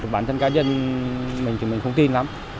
bản thân cá nhân mình thì mình không tin lắm